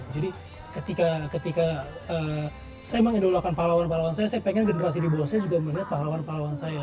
jadi ketika saya mengindulakan pahlawan pahlawan saya saya pengen generasi di bawah saya juga melihat pahlawan pahlawan saya